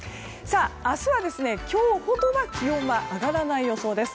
明日は今日ほどは気温は上がらない予想です。